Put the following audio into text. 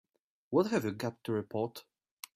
What have you got to report?